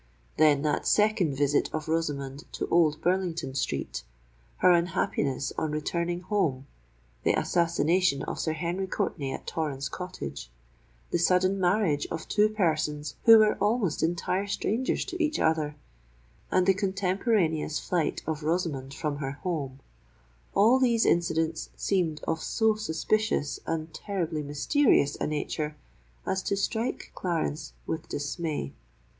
Then that second visit of Rosamond to Old Burlington Street—her unhappiness on returning home—the assassination of Sir Henry Courtenay at Torrens Cottage—the sudden marriage of two persons who were almost entire strangers to each other—and the contemporaneous flight of Rosamond from her home,—all these incidents seemed of so suspicious and terribly mysterious a nature as to strike Clarence with dismay.